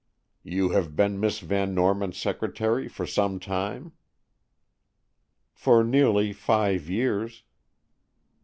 "You have been Miss Van Norman's secretary for some time?" "For nearly five years."